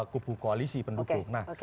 kubu koalisi pendukung oke